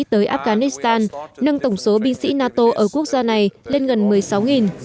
tới afghanistan nâng tổng số binh sĩ nato ở quốc gia này lên gần một mươi sáu